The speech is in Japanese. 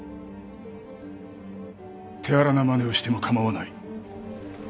手荒なまねをしても構わない。